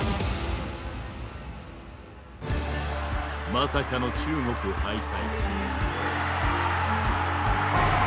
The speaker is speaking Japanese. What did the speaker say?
まさかの中国敗退。